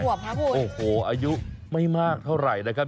อีกห่วงนะพูดโอ้โหอายุไม่มากเท่าไหร่นะครับ